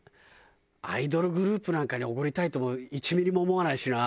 アイドルグループなんかにおごりたいとも１ミリも思わないしな。